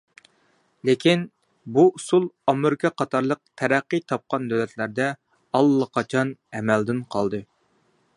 لېكىن، بۇ ئۇسۇل ئامېرىكا قاتارلىق تەرەققىي تاپقان دۆلەتلەردە ئاللىقاچان ئەمەلدىن قالدى.